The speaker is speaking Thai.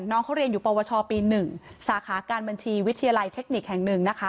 น้องเขาเรียนอยู่ปวชปี๑สาขาการบัญชีวิทยาลัยเทคนิคแห่ง๑นะคะ